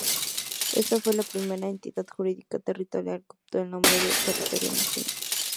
Esta fue la primera entidad jurídica territorial que adoptó el nombre de "territorio nacional".